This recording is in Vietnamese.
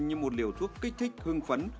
như một liều thuốc kích thích hương phấn